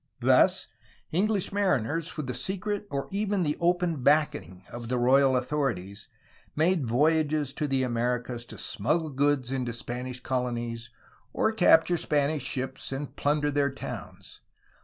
Thus English mariners, with the secret or even C7 98 A HISTORY OF CALIFORNIA the open backing of the royal authorities, made voyages to the Americas to smuggle goods into Spanish colonies or cap ture Spanish ships and plunder their towns.